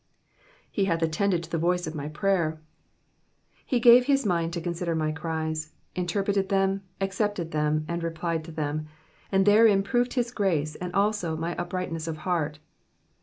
/f<3 hath attended to the voice of my prayer,'*'* He gave his mind to consider my cries, interpreted them, accepted them, and replied to them ; and therein proved his grace and also my uprightness of heart.